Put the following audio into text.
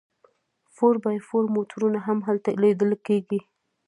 فور بای فور موټرونه هم هلته لیدل کیږي